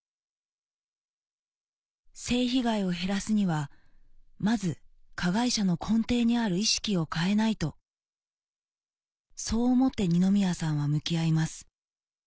性被害を減らすにはまず加害者の根底にある意識を変えないとそう思ってにのみやさんは向き合います